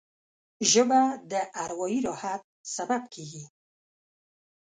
ژبه د اروايي راحت سبب کېږي